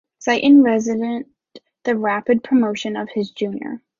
Zieten resented the rapid promotion of his junior.